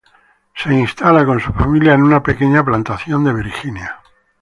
Se instala con su familia en una pequeña plantación de Virginia.